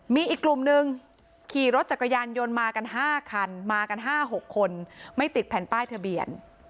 มีอีกกลุ่มนึงขี่รถจักรยานยนต์มากัน๕คันมากัน๕๖คนไม่ติดแผ่นป้ายทะเบียน